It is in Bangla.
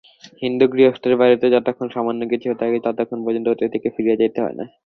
হিন্দুগৃহস্থের বাড়ীতে যতক্ষণ সামান্য কিছুও থাকে, ততক্ষণ পর্যন্ত অতিথিকে ফিরিয়া যাইতে হয় না।